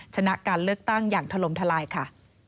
ชนะการเลือกตั้งอย่างถล่มทลายค่ะ